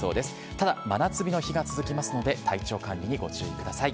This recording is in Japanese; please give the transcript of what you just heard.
ただ、真夏日の日が続きますので、体調管理にご注意ください。